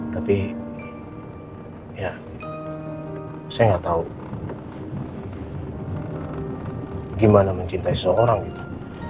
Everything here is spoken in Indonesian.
tapi ya saya enggak tahu gimana mencintai seseorang gitu